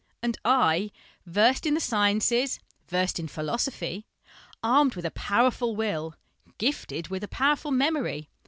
And I, versed in the sciences, versed in philosophy, armed with a powerful will, gifted with a powerful memory